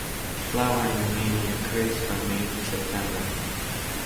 Flowering mainly occurs from May to September.